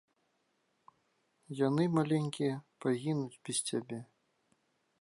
Яны, маленькія, пагінуць без цябе!